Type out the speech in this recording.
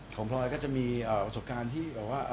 ของพลอยก็จะมีประสบการณ์ที่